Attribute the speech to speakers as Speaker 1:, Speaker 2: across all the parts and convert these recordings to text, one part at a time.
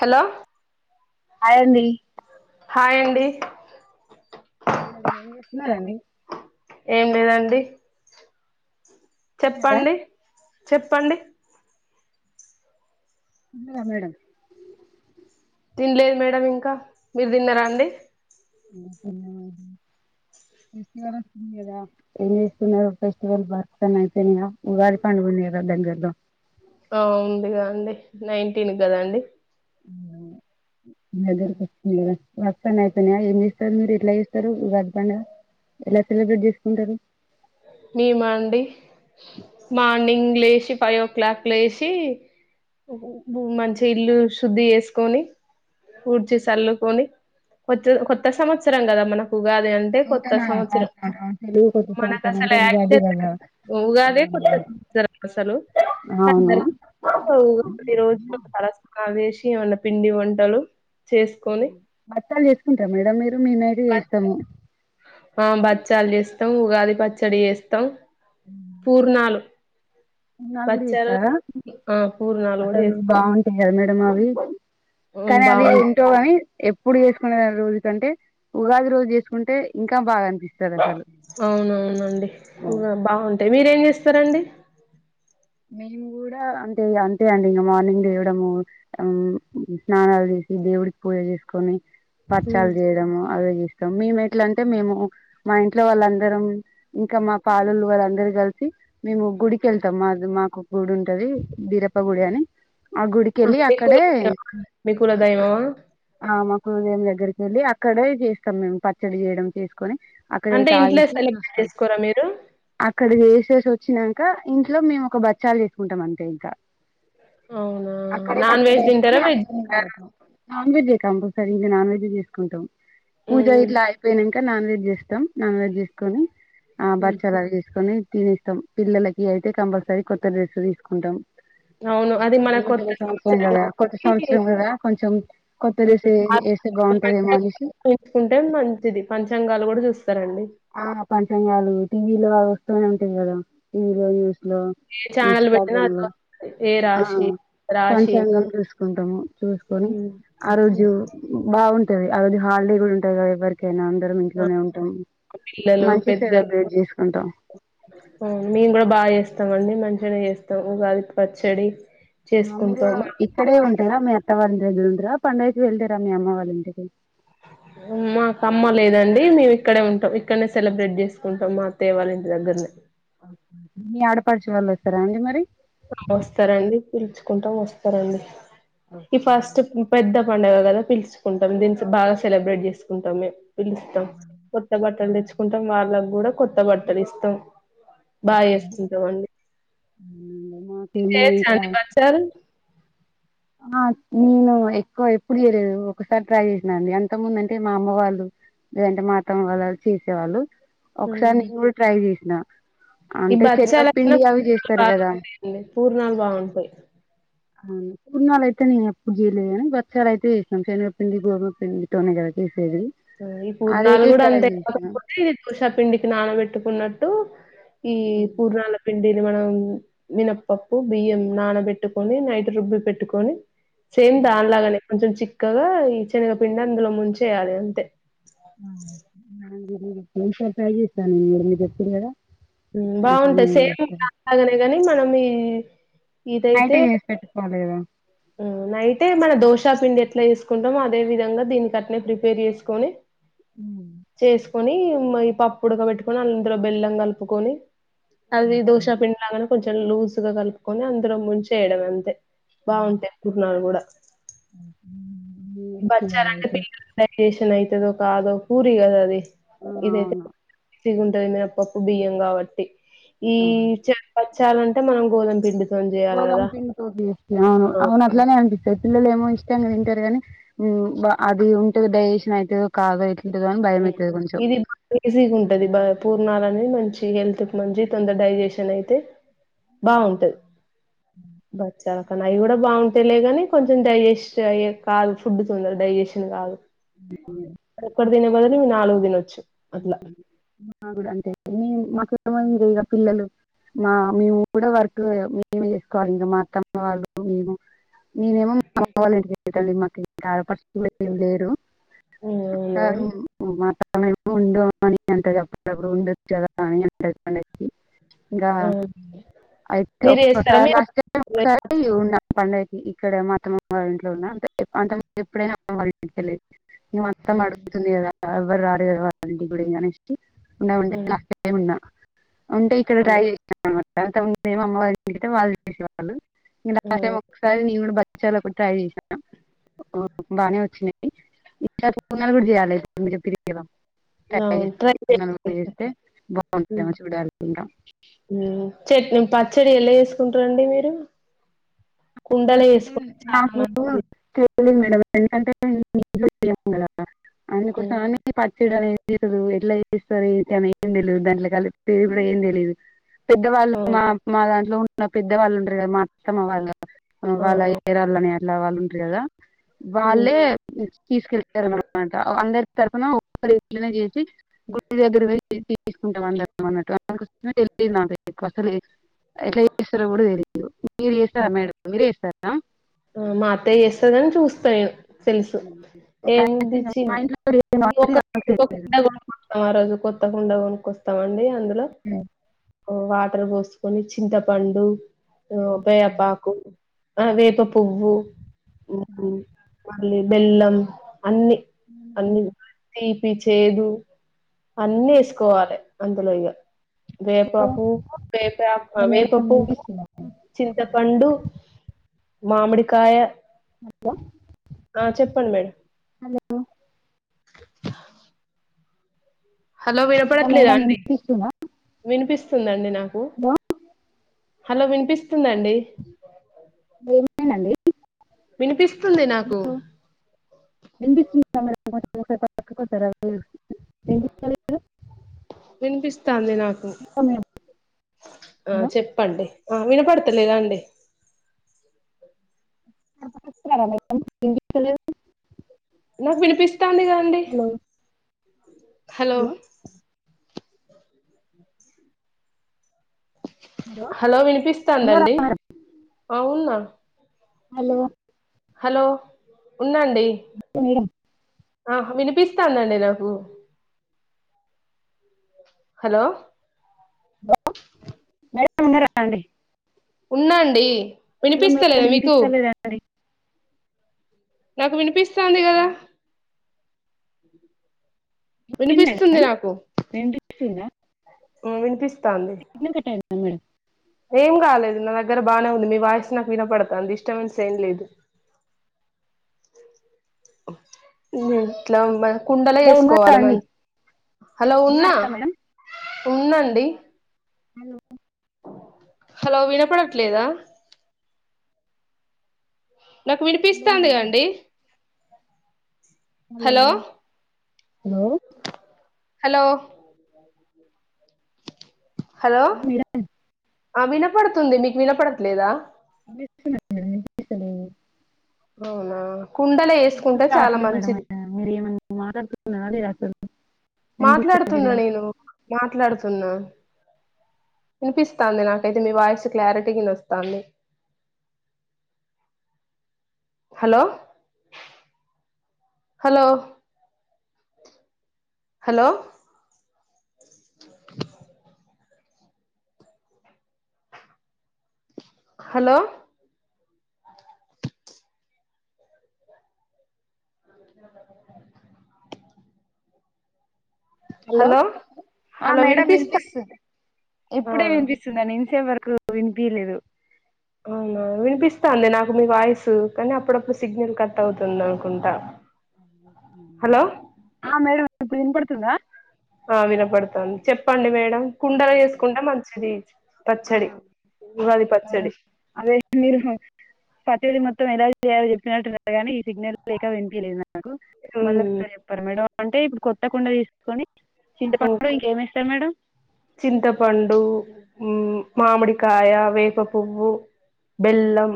Speaker 1: Hello
Speaker 2: hi అండి
Speaker 1: hi అండి
Speaker 2: hi madam ఏం చేస్తున్నారండి
Speaker 1: ఏం లేదండి
Speaker 2: తిన్నారా
Speaker 1: చెప్పండి చెప్పండి
Speaker 2: తిన్నారా మేడం
Speaker 1: తినలేదు మేడం ఇంకా మీరు తిన్నరా అండి
Speaker 2: ఉ తిన్నా ఫెస్టివల్ వస్తుంది కదా ఏమి చస్తున్నారు ఫెస్టివల్ పని తేన్నావ్ ఉగాది పండుగ ఉన్నది కదా దగ్గరలో
Speaker 1: ఆ ఉంది గా అండి నైన్టీన్ గదా అండి
Speaker 2: [unintelligible] ఏమి చేస్తారు మీరు ఎట్లా చేస్తారు ఉగాది పండగ ఎలా సెలబ్రేట్ చేసుకుంటారు
Speaker 1: మేమా అండి మార్నింగ్ లేచి ఫైవ్ ఓ క్లాక్ లేచి భూ మంచి ఇల్లు శుద్ధి చేసుకొని ఊడ్చి సల్లుకొని కొత్త కొత్త సంవత్సరం కదా మనం
Speaker 2: నూతన సంవత్సర తెలుగు కొత్త సంవత్సరం అంటే ఉగాది కద
Speaker 1: ఉ ఉగాదే కొత్త సంవత్సరం అసలు కానీ
Speaker 2: అవును
Speaker 1: [unintelligible] ఓ ఈ రోజు తల స్నానలు చేసి ఏమన్నా పిండి వంటలు చేసుకొని
Speaker 2: బచ్చలు చేసుకుంటార మేడం మీరు మేమైతే
Speaker 1: బ-
Speaker 2: చేస్తాము
Speaker 1: ఆ బచ్చాలు చేస్తాం ఉగాది పచ్చడి చేస్తాం పూర్ణాలు
Speaker 2: పూర్ణాలు కూడా
Speaker 1: బచ్చాలు
Speaker 2: చేస్తారా
Speaker 1: ఆ పూర్ణాలు కూడా
Speaker 2: అసలు బాగుంటాయి ఆహా మేడం అవి
Speaker 1: చేస్తాం
Speaker 2: కానీ అది
Speaker 1: బాగు
Speaker 2: ఏంటో అని ఎప్పుడు చేసుకునే రోజు కంటే ఉగాది రోజు చేసుకుంటే ఇంకా బాగా అనిపిస్
Speaker 1: అవునవునండి ఉగా బాగుంటాయి మీరేం చేస్తారండి
Speaker 2: మేము కూడా అంటే అంతే అండి ఇంగ మార్నింగ్ లేవడము మ్మ్ స్నానాలు చే ఇంటి దేవుడికి పూజలు చేసుకొని
Speaker 1: ఉమ్.
Speaker 2: పచ్చళ్ళు అవి వీ స్తాం మేము ఎట్లా అంటే మేము మా ఇంట్లో వాళ్ళందరం ఇంకా మా పాలొల్లు వాళ్ళందరు కలిసి మేము గుడికి వెళ్తాం మాది మాకు ఒక గుడి ఉంటది బీరప్ప గుడి అని ఆ గుడికెళ్ళి
Speaker 1: మీ కుల
Speaker 2: అక్కడే
Speaker 1: దైవమా? మీ కుల దైవమా
Speaker 2: ఆ మా కుల దేవుని దగ్గరికి కెళ్ళి అక్కడే చేస్తాం మేము పచ్చడి చేయడం చేసుకొని
Speaker 1: అంటే
Speaker 2: అక్కడయితే
Speaker 1: ఇంట్లో
Speaker 2: ఆలేసి
Speaker 1: సెలబ్రేట్
Speaker 2: చేస్తాం
Speaker 1: చేసుకోరా మీరు
Speaker 2: అక్కడ వేసి చేసి వచ్చినాంకా ఇంట్లో మేము ఒక బచ్చాలు చేసుకుంటాం అంతే ఇంకా
Speaker 1: అవునా
Speaker 2: అక్కడ
Speaker 1: నాన్
Speaker 2: పక్కనే
Speaker 1: వెజ్
Speaker 2: ఏసీ
Speaker 1: తింటారా వెజ్ తింటారా
Speaker 2: [unintelligible] నాన్ వెజ్ కంపల్సరీ ఇంగ నాన్ వెజ్ ఏ చేసుకుంటాం పూజ
Speaker 1: ఉమ్,
Speaker 2: ఇట్లా అయిపోయిన త నాన్ వెజ్ చేస్తాం నాన్ వెజ్ చేసుకొని ఆ
Speaker 1: ఉమ్.
Speaker 2: బచ్చలు చేసుకొని తినేస్తాం పిల్లలకి అయితే కంపల్సరీ కొత్త డ్రెస్సులు తీసుకుంటాం
Speaker 1: అవును అది
Speaker 2: ఆ
Speaker 1: మన కొత్త
Speaker 2: నూతన సంవత్సరం కదా కొత్త
Speaker 1: కాబట్టి
Speaker 2: సంవత్సరం కదా కొంచెం కొత్తది ఏస్ ఏ ఎస్తే చ బాగుంటది ఏమో అనేసి
Speaker 1: తెచ్చుకుంటే మంచిది పంచాంగాలు కూడా చూస్
Speaker 2: ఆ పంచంగాలు టీ వీ లో వా వస్తూనే ఉంటాది కదా వీడియో న్యూస్ లో
Speaker 1: ఏ ఛానల్ బెట్టినా
Speaker 2: ఇన్స్టాగ్రామ్
Speaker 1: అదే
Speaker 2: లో
Speaker 1: వస్తది. ఏ
Speaker 2: ఆ
Speaker 1: రాశి రాశి
Speaker 2: పంచాంగం చూసుకుంటాము చూసుకొని
Speaker 1: హ్మ్.
Speaker 2: ఆ రోజు
Speaker 1: హ్మ్.
Speaker 2: బాగుంట టది [unintelligible] ఆ రోజు హాలిడే కూడా ఉంటది కదా ఎవరికైనా అందరం
Speaker 1: ఆ!
Speaker 2: ఇంట్లోనే ఉంటాం
Speaker 1: పిల్లలు
Speaker 2: మంచి
Speaker 1: పెద్దలు
Speaker 2: సెలబ్రేట్ చేసుకుంటాం
Speaker 1: మేము కూడా బాగా చేస్తా చేస్తాం అండి మంచిగానే చేస్తాం ఉగాది పచ్చడి
Speaker 2: మాములుగా
Speaker 1: చేసుకుంటాం. మా
Speaker 2: ఇక్కడే ఉంటారా మీ అత్తవాల్లి [unintelligible] ఉందుర పండగకి వెళ్తారా మీ అమ్మ వాళ్ళ ఇంటికి
Speaker 1: మాకు అమ్మ లేదండి మేము ఇక్కడే ఉంటాం ఇక్కడనే సెలబ్రేట్ చేసుకుంటాం మా అత్తయ్య వాళ్ళ ఇంటి దగ్గరనే
Speaker 2: మీ ఆడపడుచు వాళ్ళు వస్తారా అండి మరి
Speaker 1: వస్తారండి పిలుచుకుంటాం వస్తారండి ఈ ఫస్ట్ పెద్ద పండుగ కదా పిలుచుకుంటాం దీని బాగా సెలబ్రేట్ చేసుకుంటాము పిలుస్తాం కొత్త బట్టలు తెచ్చుకుంటాం వాళ్ళకి కూడా కొత్త బట్టలు ఇస్తాం బా చేసుకుంటమండి
Speaker 2: అవునండి,
Speaker 1: మీరు
Speaker 2: మాకేమో
Speaker 1: చేయొచ్చా
Speaker 2: ఇంకా
Speaker 1: బచల్
Speaker 2: ఆ నేను ఎక్కువ ఎప్పుడు చేయలేదు ఒకసారి ట్రై చేసినా అండి అంత ముందు అంటే మా అమ్మ వాళ్ళు లేదంటే మా అత్తమ్మ వాళ్ళు వచ్చి ఇచ్చేవాళ్ళు ఒకసారి నేను కూడా ట్రై చేసిన
Speaker 1: ఈ
Speaker 2: అంటే
Speaker 1: బచ్చాలన్నా
Speaker 2: శనగపిండి అవి
Speaker 1: పూర్ణాలు
Speaker 2: చేస్తారు కదా
Speaker 1: బాగుంటాయండి పూర్ణాలు బాగుంటాయి
Speaker 2: అవును పుట్నాలు అయితే నేను ఎప్పుడు చేయలేదు గాని బచ్చాలు అయితే చేస్తాం శనివప్పింది గోధుమ పిందిడితోనే కదా చేస్తా
Speaker 1: ఈ పూర్ణాలు కూడా అంతే
Speaker 2: చేసిన
Speaker 1: కాకపోతే దోషా పిండికి నానబెట్టుకున్నట్టు ఈ పూర్ణాల పిండి ఇది మనం మినప్పప్పు బియ్యం నానబెట్టుకొని నైట్ రుబ్బి పెట్టుకొని సేమ్ దానిలాగానే కొంచెం చిక్కగా ఈ శనగపిండి అందులో ముంచేయాలి అంతే
Speaker 2: [unintelligible]
Speaker 1: ఉమ్
Speaker 2: అట్లనే
Speaker 1: బాగుంటాయి సేమ్
Speaker 2: చేస్తా
Speaker 1: దానిలాగానే గాని మనం ఈ ఇదైతే
Speaker 2: నైటే చేసి పెట్టుకోలేదా
Speaker 1: ఉమ్ నైటె మన దోశ పిండి ఎట్ ఎట్లా వేసుకుంటామో అదే విధంగా దీనికట్నే ప్రిపేర్ చేసుకొని
Speaker 2: ఉమ్
Speaker 1: కొని మ్మ్ ఈ పప్పు ఉడక పెట్టుకొని అందులో బెల్లం కలుపుకొని అది దోశ పిండిలాగాను కొంచెం లూజ్ గా కలుపుకొని అందులో ముంచి వేయడమే అంతే బాగుంటాయి పుట్నాలు కూడా
Speaker 2: హ్మ్. నేను కూడా
Speaker 1: బచ్చాలు
Speaker 2: చేయాలి
Speaker 1: అంటే
Speaker 2: అయితే
Speaker 1: [unintelligible] తదో కాదో పూరిగద అది
Speaker 2: ఆ అవును
Speaker 1: గుంటది మినపప్పు బియ్యం కాబట్టి ఈ
Speaker 2: ఆ
Speaker 1: పచ్చాలంటే మనం గోధుమ పిండి
Speaker 2: గోదాం పిండి తోని
Speaker 1: ఆ!
Speaker 2: అవును అట్లనే అనిపిస్తది పిల్లలేమో ఇష్టంగా తింటారు గానీ ఉమ్ అది ఉంటది డైజేషన్ అవుతదో కాదో ఇ
Speaker 1: ఉమ్ ఇది బా ఈజీగా ఉంటది బా పూర్ణాల మంచి హెల్త్ కు మంచి తొందర డైజెషన్ అయితే బాగుంటది
Speaker 2: ఉమ్
Speaker 1: చాల అవి కూడా బాగుంటేలే కానీ కొంచెం డైజెస్ట్ అయ్యే కాదు ఫుడ్ తొందరగా డైజెషన్ కాదు ఒకటి తినే బదులు నాలుగు దినోచ్చు అట్లా
Speaker 2: మా గుడ అంతే మాకు ఏమంది ఇగ పిల్లలు మా మేము కూడా వర్క్ మేమే చేసుకోవాలి ఇంకా మా అత్తమ్మ వాళ్ళు మేము నేనేమో మా అమ్మ వల్ల ఇంటి దగ్గర [inaudible] ఏం లేరు [inaudible]
Speaker 1: అవునా
Speaker 2: అంతే కాకుండా ఉండిచేదా అని పండక్కి ఇంకా
Speaker 1: ఆవును
Speaker 2: అయితే ఒక్కసారి లాస్ట్ టైం ఒకసారి ఉన్నాం పండ కి ఇక్కడ మాఅత్తమ్మ వాళ్ళింట్లో ఉన్న అంటే ఎప్పుడైనా మా అత్తమ్మ వాళ్ళ ఇంటికే వెళ్ళేది ఇగ మా అత్తమ్మ అడుగుతుంది కదా ఎవ్వరు రారు ఎవరు రారు వాళ్ళ ఇంటికి అనేసి ఉంటే
Speaker 1: ఉమ్,
Speaker 2: లాస్ట్ టైమ్ ఉన్నా ఉంటే ఇక్కడ
Speaker 1: అవును
Speaker 2: ట్రై చేసా అనమ అమ్మవారి తడితే వాళ్ళు చేసేళ్ళు ఇంకా
Speaker 1: ఆ
Speaker 2: లాస్ట్ టైమ్ ఒకసారి నేన్ కూడా భక్షాలు ఒకటి ట్రై చేశాం ఉ బానే వచ్చినాయి ఈసారి సుగుండలు కూడా చేయాలె మీరు చెప్పేరు కదా
Speaker 1: అవును ట్రై
Speaker 2: తయరు
Speaker 1: చేయండి
Speaker 2: చేస్తే బాగుంటందో లేదో చూడాలింకా
Speaker 1: ఉమ్ చట్ పచ్చడి ఎలా చేసుకుంటారండి మీరు
Speaker 2: పచ్చడి
Speaker 1: కుండలో
Speaker 2: అంటే
Speaker 1: చేసుకుంటే చాలా
Speaker 2: మాకు
Speaker 1: మంచిది
Speaker 2: [unintelligible] ఎందుకంటే [unintelligible]
Speaker 1: ఉమ్,
Speaker 2: అందుకోసం అని పచ్చడి అనే ది ఎట్లా చేస్తారు అని ఏం తెలిదు దాంట్లో కలిపి కూడా ఏం తెలిదు పెద్దవాళ్ళు
Speaker 1: అవును
Speaker 2: మా దాంట్లో ఉన్న పెద్దవాళ్ళు ఉంటరు కదా మా అత్తమ్మ వాళ్ళు వాళ్ళ
Speaker 1: అవును
Speaker 2: ఏరాళ్ళని అట్లా వాళ్ళు ఉంటారు కదా
Speaker 1: ఉమ్,
Speaker 2: వాళ్ళే తీసుకెళ్తారన్నమాట అందరు తరపున ఒక్కరే పులిగం చేసి గుడి దగ్గర పోయి తీసుకుంటాం అన్నట్టు తెలీదు నాకు అస్సలు ఎట్ల చేస్తారో కూడా తెలీదు మీరు చేస్తారా
Speaker 1: అవును.
Speaker 2: మేడం మీరే చేస్తారా
Speaker 1: ఆ అత్తయ్య చేస్తది గని చూస్తా నేను తెలుసు ఏముందిచి
Speaker 2: మా ఇంట్లో లేదు కాబట్టి నాకు తెలియదు
Speaker 1: ఆ రోజు కొత్త కుండ కొనుక్కొస్తామండి అందులో ఊ వాటర్ పోసుకొని చింతపండు వేపాకు ఆ వేప పూ పువ్వు
Speaker 2: హలో
Speaker 1: మీ బెల్లం అన్ని అన్ని తీపి చేదు అన్నీ వేసుకోవాలె అందులో ఇక వేపాకు వేపా అ
Speaker 2: హలో మేడం
Speaker 1: వేపకు
Speaker 2: వినిపిస్తుందా
Speaker 1: చింతపండు మామిడికాయ
Speaker 2: గ
Speaker 1: ఆ చెప్పండి మేడం
Speaker 2: హలో
Speaker 1: హలో వినపడట్లేదా
Speaker 2: మేడం
Speaker 1: అండి
Speaker 2: వినిపిస్తుందా
Speaker 1: వినిపిస్ స్తుదండి నాకు
Speaker 2: హలో
Speaker 1: హలో వినిపిస్తుందండి
Speaker 2: ఏమైందండి
Speaker 1: వినిపిస్తుంది నాకు
Speaker 2: హలో విన్పిస్తుందా మేడమ్ [inaudible]
Speaker 1: విన్పిస్తాంది నాకు
Speaker 2: మేడం
Speaker 1: ఆ
Speaker 2: హలో
Speaker 1: చెప్పండి ఆ వినపడతలేదా అండి
Speaker 2: [unintelligible]
Speaker 1: నాకు వినిపిస్తాంది గద అండి
Speaker 2: హలో
Speaker 1: హలో హలో
Speaker 2: ఉన్నారా
Speaker 1: వినిపిస్తాందండి అవుంన
Speaker 2: హలో
Speaker 1: హలో ఉన్నాండి
Speaker 2: మేడం
Speaker 1: ఆ వినిపిస్తాందండి నాకు హలో
Speaker 2: హలో మేడం ఉన్నారండి
Speaker 1: ఉన్నాండి వినిపిస్తలేదా మీకు
Speaker 2: వినిపిస్తలేదా
Speaker 1: నాకు వినిపిస్త
Speaker 2: హలో ఏమైంది
Speaker 1: వినిపిస్తుంది నాకు
Speaker 2: మేడం వినిపిస్తుందా
Speaker 1: ఓ వినిపిస్తాంది
Speaker 2: అ మేడం [unintelligible]
Speaker 1: ఏం కాలేదు నా దగ్గర బాగానే ఉంది మీ వాయిస్ నాకు వినపడతాంది డిస్టబిన్స్ ఏం లేదు ఎట్లా బ కుండలే
Speaker 2: హలో ఉన్నారా
Speaker 1: వేసుకోవాలి మ
Speaker 2: అండి
Speaker 1: హలో ఉన్నా
Speaker 2: ఉన్నారా మేడం
Speaker 1: ఉందండి
Speaker 2: హలో
Speaker 1: హలో వినపడట్లేద నాకు
Speaker 2: హలో
Speaker 1: వినిపిస్తది
Speaker 2: మేడం
Speaker 1: కండి
Speaker 2: హలో
Speaker 1: హలో హలో ఆ వినపడుతుంది మీకు వినపడట్లేద
Speaker 2: [inaudible]
Speaker 1: అవునా కుండలో వేసుకుంటే చాలా
Speaker 2: రావట్లేదు మేడం
Speaker 1: మంచిది
Speaker 2: మీరు ఏమైన మాట్లాడుతునార లేదా అసలు
Speaker 1: మాట్లాడుతున్నా
Speaker 2: వినిపిస్తలేదుగా
Speaker 1: నేను మాట్లాడుతున్న వినిపిస్తంది నాకైతే మీ వాయిస్ క్లారిటీగ వినోస్తాంది hello hello hello hello
Speaker 2: hello
Speaker 1: hello
Speaker 2: madam
Speaker 1: వినిపిస్తా
Speaker 2: వినిపిస్తుంది
Speaker 1: ఆ
Speaker 2: ఇప్పుడే వినిపిస్తుంది కు వినిపయలేదు
Speaker 1: అవునా వినిపిస్తుంది నాకు మీ వాయిస్ కానీ అప్పుడప్పుడు సిగ్నల్ క ట్ అవుతుంది అనుకుంటా హలో
Speaker 2: ఆ మేడం ఇప్పుడు ఇనపడుతుందా
Speaker 1: ఆ వినపడుతుంది చెప్పండి మేడం కుండలో చేసుకుంటే మంచిది పచ్చడి ఉగాది పచ్చడి
Speaker 2: [unintelligible] అదేదో మీరు పచ్చడి మొత్తం ఎలా చేసేది చెప్పినట్టుగాని ఈ సిగ్నల్ లేక వినిపిలేదు నాకు మళ్ళీ
Speaker 1: మ్మ్
Speaker 2: ఒకసారి చెప్పార మేడం అంటే ఇప్పుడు కొత్తకుండా తీసుకొని చింతపండు ఇంకేమి ఎస్తారు మేడం
Speaker 1: చింతపండు మామిడికాయ వేపపువ్వు బెల్లం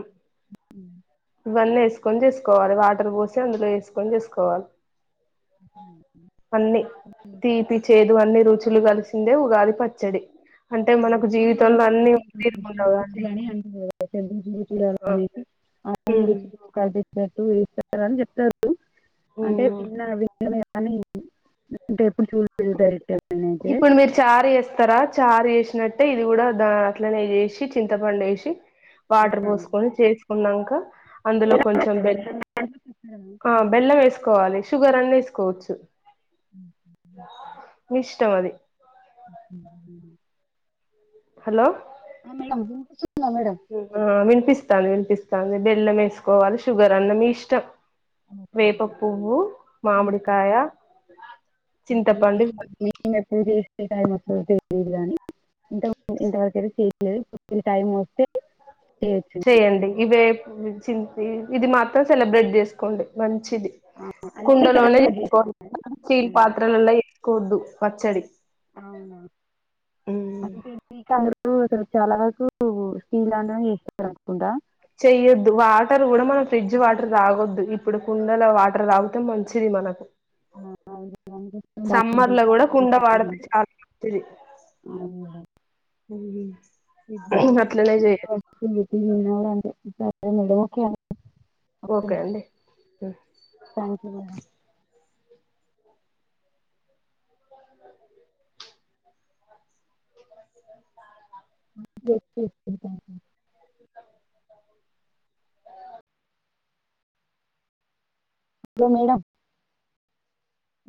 Speaker 1: ఇవన్నీ వేసుకొని చేసుకోవాలి వాటర్ పోసి అందులో వేసుకొని చేసుకోవాలి అన్ని తీపి చేదు అన్ని రుచులు కలిసిందే ఉగాది ప పచ్చడి అంటే మనకు
Speaker 2: అవునా
Speaker 1: జీవితంలో
Speaker 2: అంటే
Speaker 1: అన్ని తీరు [unintelligible]
Speaker 2: చూడాల అనే
Speaker 1: మ్మ్
Speaker 2: కల్పించినట్టు ఇస్తారు అని చెప్తారు అంటే
Speaker 1: మ్మ్
Speaker 2: విన్న విన్న కానీ అంటే ఎప్పుడు చూ [unintelligible]
Speaker 1: ఇప్పుడు మీరు చారి [unintelligible] చార్ చేసినట్టే ఇది కూడ దా అట్లనే చేేసి చింతపండు వేసి వాటర్ పోసుకొని చేసుకున్నాంక అందులో కొంచం బెల్
Speaker 2: మేడం
Speaker 1: ఆ బెల్లం వేసుకోవాలి షుగర్ అన్న వేసుకోవచ్చు మి ఇష్టం అది హలో
Speaker 2: హా మేడం
Speaker 1: అ విన్పిస్తాంది విన్పిస్తాంది బెల్లం వేసుకోవాలి షుగర్ అన్న మీ ఇష్టం వేప పువ్వు మామిడికాయ
Speaker 2: ప
Speaker 1: చింతపండు
Speaker 2: ట మ [inaudible] లేదు గాని ఇంత ఇంతవరకుయితే చేయలేదు టైం వస్తే చేయొచ్చు
Speaker 1: చెయండి ఇవే ఇది మాత్రం సెలబ్రేట్ చేస్కోండి మంచి చిది
Speaker 2: ఆ, అన్ని
Speaker 1: కుండలోనే
Speaker 2: కరెక్ట్గా
Speaker 1: చేసుకోవాలి స్టీల్
Speaker 2: చేస్తాను
Speaker 1: పాత్రలలో చేసుకోవద్దు పచ్చడి
Speaker 2: అవున అంటె [unintelligible] అసలు చాల వరకు స్టీల్ దాంట్లోనే చేస్తారనుకుంటా
Speaker 1: చెయ్యొద్దు వాటర్ కూడామన ఫ్రిడ్జ్ వాటర్ తాగొద్దు ఇప్పుడు కుండల వాటర్ తాగితే మంచిది మనకు
Speaker 2: ఆ అవును
Speaker 1: సమ్మర్లో కూడాకుండ వాడితే
Speaker 2: థ్యాంక్
Speaker 1: చాల మంచిది అట్లనే జేయ్
Speaker 2: [inaudible] ఓకె మరి
Speaker 1: ఓకే అండి ఉ
Speaker 2: thank you madam [inaudible] hello madam